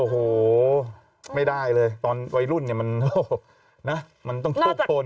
โอ้โหไม่ได้เลยตอนวัยรุ่นเนี่ยมันต้องโชคโชน